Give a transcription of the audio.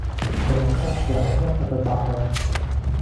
Demokracja oznacza debatę